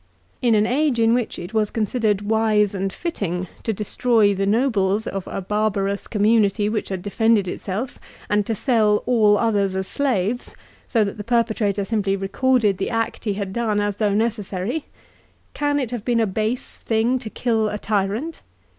In an age in which it was considered wise and fitting to destroy the nobles of a barbarous community which had defended itself, and to sell all others as slaves, so that the perpetrator simply recorded the act he had done as though necessary, can it have been a base thing to kill a tyrant